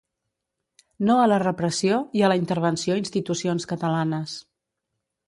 No a la repressió i a la intervenció institucions catalanes.